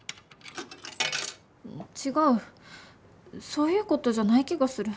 違うそういうことじゃない気がする。